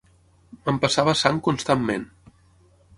M'empassava sang constantment